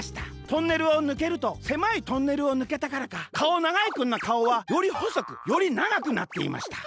トンネルをぬけるとせまいトンネルをぬけたからかかおながいくんのかおはよりほそくよりながくなっていました。